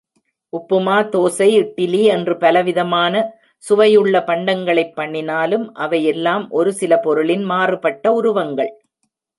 உப்புமா, தோசை, இட்டிலி என்று பலவிதமான சுவையுள்ள பண்டங்களைப் பண்ணினாலும் அவை எல்லாம் சில பொருளின் மாறுபட்ட உருவங்கள்.